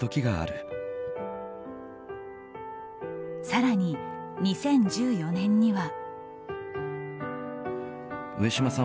更に、２０１４年には。